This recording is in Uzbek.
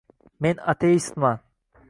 Men ateistman.